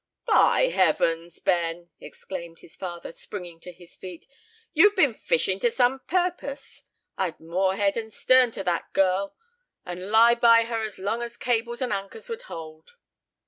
"By heavens, Ben!" exclaimed his father, springing to his feet, "you've been fishing to some purpose; I'd moor head and stern to that girl, and lie by her as long as cables and anchor would hold."